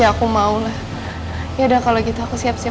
pakas qu ukrainian ya udah kalau gitu aja simpul ya